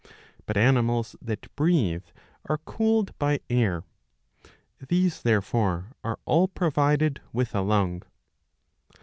But animals that breathe are cooled by air. These therefore are all provided with a lung.